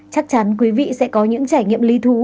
chắc chắn quý vị sẽ có những trải nghiệm lý thú